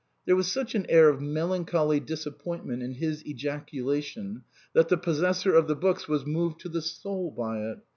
There was such an air of melancholy disappointment in his ejaculation, that the possessor of the books was moved to the soul by it.